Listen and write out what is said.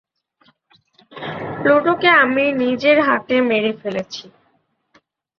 প্লুটোকে আমি নিজের হাতে মেরে ফেলেছি।